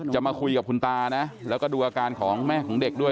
มาคุยกับคุณตานะแล้วก็ดูอาการของแม่ของเด็กด้วย